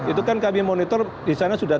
itu kan kami monitor disana sudah